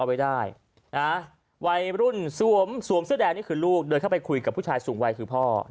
ไว้ได้นะวัยรุ่นสวมสวมเสื้อแดงนี่คือลูกเดินเข้าไปคุยกับผู้ชายสูงวัยคือพ่อ